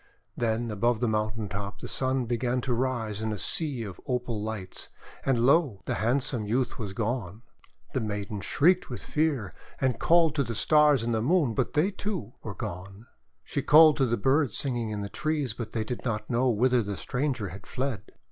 Then above the mountain top the Sun began to rise in a sea of opal lights. And, lo! the hand some youth was gone ! The maiden shrieked with fear, and called to WHITE FLOWERING ALMOND 319 the Stars and the Moon. But they, too, were gone. She called to the birds singing in the trees, but they did not know whither the stranger had fled.